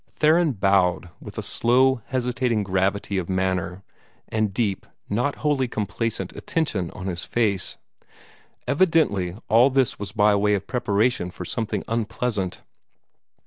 Theron bowed, with a slow, hesitating gravity of manner, and deep, not wholly complacent, attention on his face. Evidently all this was by way of preparation for something unpleasant.